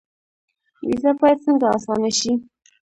ویزه باید څنګه اسانه شي؟